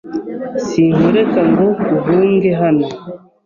Sinkureka ngo uhunge hano.